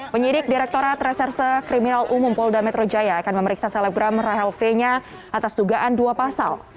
penyidik direkturat reserse kriminal umum polda metro jaya akan memeriksa selebgram rahel fenya atas dugaan dua pasal